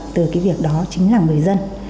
từ cái việc đó chính là người dân